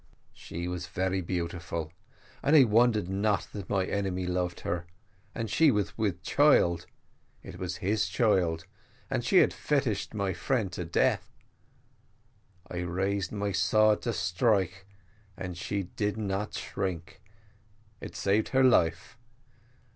"She was very beautiful, and I wondered not that my enemy loved her and she was with child it was his child, and she had fetished my friend to death. I raised my sword to strike, and she did not shrink: it saved her life.